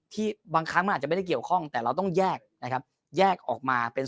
บางครั้งมันอาจจะไม่ได้เกี่ยวข้องแต่เราต้องแยกนะครับแยกออกมาเป็น